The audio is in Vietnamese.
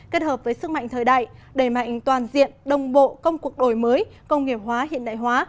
kết hợp với sức mạnh thời đại đầy mạnh toàn diện đồng bộ công cuộc đổi mới công nghiệp hóa hiện đại hóa